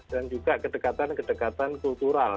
dan juga kedekatan kedekatan kultural